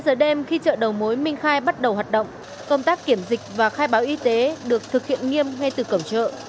một giờ đêm khi chợ đầu mối minh khai bắt đầu hoạt động công tác kiểm dịch và khai báo y tế được thực hiện nghiêm ngay từ cổng chợ